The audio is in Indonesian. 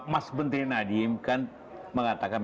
mas menteri nadiem kan mengatakan